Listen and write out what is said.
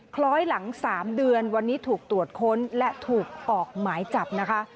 คล้อยหลัง๓เดือนวันนี้ถูกตรวจค้นและถูกออกหมายจับนะคะ